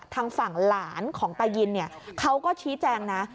ทางฝั่งหลานของตายินเขาก็ชี้แจงนะ